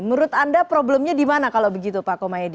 menurut anda problemnya di mana kalau begitu pak komaydi